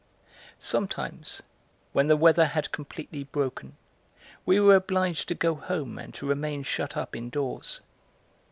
Sometimes, when the weather had completely broken, we were obliged to go home and to remain shut up indoors.